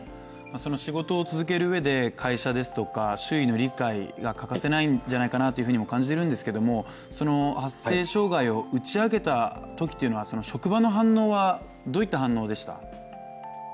仕事を続けるうえで、会社ですとか周囲の理解が欠かせないんじゃないかなとも感じるんですけど発声障害を打ち明けたときというのは職場の反応はどうでしたか？